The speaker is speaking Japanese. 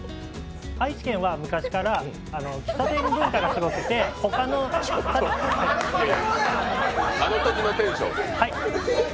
愛知県は昔から喫茶店文化がすごくてあのときのテンション。